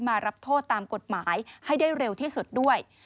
มารับโทษตามกฎหมายให้ได้เร็วที่สุดด้วย